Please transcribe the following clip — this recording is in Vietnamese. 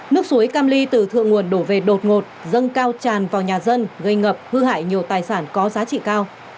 nước suối cam ly từ thượng nguồn đổ về đột ngột dâng cao tràn vào nhà dân gây ngập hư hại nhiều tài sản có giá trị cao